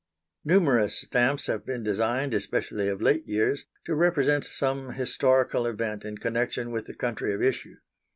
Numerous stamps have been designed, especially of late years, to represent some historical event in connection with the country of issue.